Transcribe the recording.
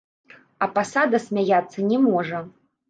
А пасада смяяцца не можа.